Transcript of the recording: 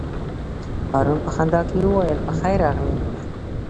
هارون په خندا کې وویل: په خیر راغلې.